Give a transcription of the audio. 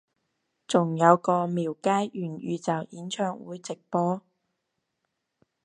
仲有個廟街元宇宙演唱會直播？